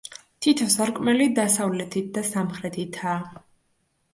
თითო სარკმელი დასავლეთით და სამხრეთითაა.